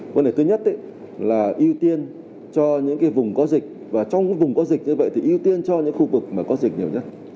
vấn đề thứ nhất là ưu tiên cho những vùng có dịch và trong những vùng có dịch như vậy thì ưu tiên cho những khu vực mà có dịch nhiều nhất